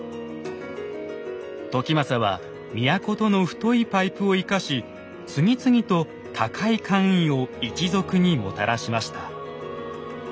時政は都との太いパイプを生かし次々と高い官位を一族にもたらしました。